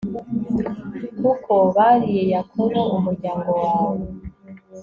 kuko bariye yakobo, umuryango wawe